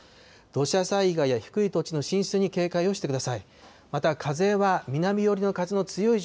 土砂災害や低い土地の浸水に警戒をしてください。